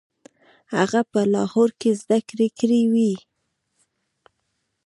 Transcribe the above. هغه په لاهور کې زده کړې کړې وې.